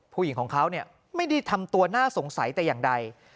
ผู้หญิงของเขาไม่ได้ทำตัวน่าสงสัยแต่อย่างใด